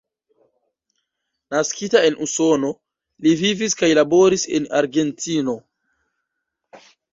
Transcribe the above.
Naskita en Usono, li vivis kaj laboris en Argentino.